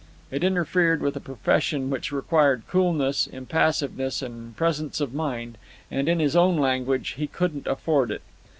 It interfered with a profession which required coolness, impassiveness, and presence of mind, and, in his own language, he "couldn't afford it."